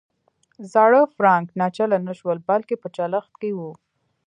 زاړه فرانک ناچله نه شول بلکې په چلښت کې وو.